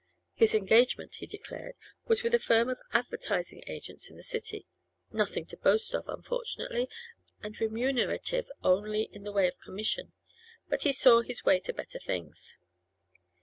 His engagement, he declared, was with a firm of advertising agents in the City; nothing to boast of, unfortunately, and remunerative only in the way of commission; but he saw his way to better things.